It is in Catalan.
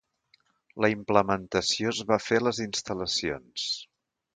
La implementació es va fer a les instal·lacions.